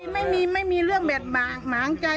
ไม่มีไม่มีเรื่องแบบหมางใจ